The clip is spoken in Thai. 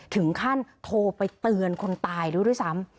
ถึงขั้นโทรไปเตือนคนตายด้วยซ้ำ